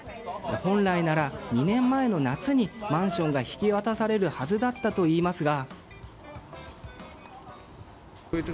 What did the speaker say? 本来なら２年前の夏にマンションが引き渡されるはずだったといいますが。